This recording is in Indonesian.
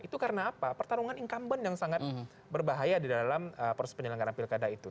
itu karena apa pertarungan incumbent yang sangat berbahaya di dalam proses penyelenggaraan pilkada itu